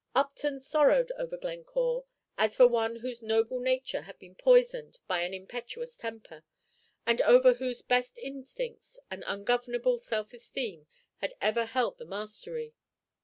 Upton sorrowed over Glencore as for one whose noble nature had been poisoned by an impetuous temper, and over whose best instincts an ungovernable self esteem had ever held the mastery.